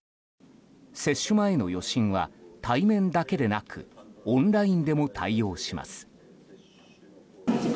接種前の予診は対面だけでなくオンラインでも対応します。